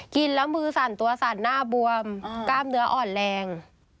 กินแล้วมือสั่นตัวสั่นหน้าบวมกล้ามเนื้ออ่อนแรง